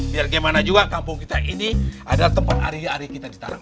biar gimana juga kampung kita ini adalah tempat ari ari kita ditaram